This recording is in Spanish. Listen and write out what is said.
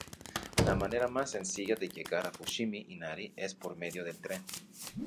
La manera más sencilla de llegar a Fushimi Inari es por medio del tren.